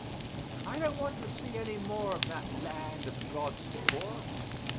I don't want to see any more of that land of God's poor.